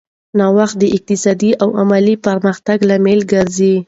نوښت د اقتصادي او علمي پرمختګ لامل ګرځي.